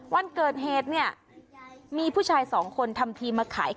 วันเกิดเหตุเนี่ยมีผู้ชายสองคนทำทีมาขาย